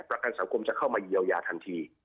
ประกันสังคมจะเข้ามาเยียวยาทันที